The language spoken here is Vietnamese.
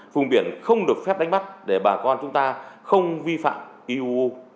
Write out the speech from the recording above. vùng biển không được phép đánh bắt để bà con chúng ta không vi phạm iuu